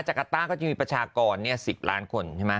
จัฐกาต้าก็จะมีประชากร๑๐ล้านคน